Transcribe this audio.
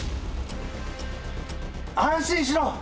安心しろ。